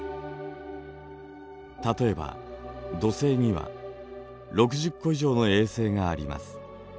例えば土星には６０個以上の衛星があります。